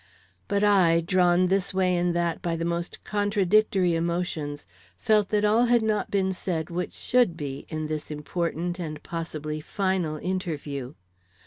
But I, drawn this way and that by the most contradictory emotions, felt that all had not been said which should be in this important and possibly final interview.